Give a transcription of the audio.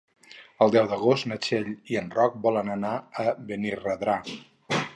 El deu d'agost na Txell i en Roc volen anar a Benirredrà.